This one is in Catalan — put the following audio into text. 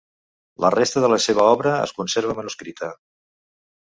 La resta de la seva obra es conserva manuscrita.